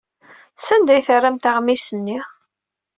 Sanda ay terramt aɣmis-nni?